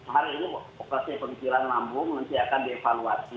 hari ini operasi pemikiran lambung nanti akan dievaluasi